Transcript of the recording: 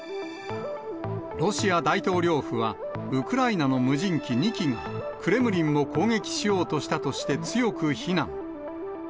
ロシア大統領府は、ウクライナの無人機２機が、クレムリンを攻撃しようとしたとして強く非難。